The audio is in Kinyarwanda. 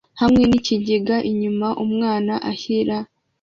Hamwe n'ikigega inyuma umwana ashyira